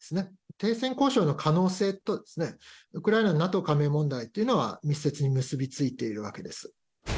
停戦交渉の可能性と、ウクライナのＮＡＴＯ加盟問題というのは、密接に結び付いているわけです。